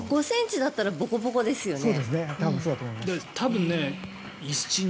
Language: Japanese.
５ｃｍだったらボコボコですよね。